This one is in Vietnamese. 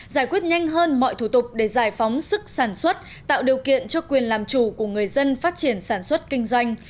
giải quyết nhanh hơn mọi thủ tục để giải phóng sức sản xuất tạo điều kiện cho quyền làm chủ của người dân phát triển sản xuất kinh doanh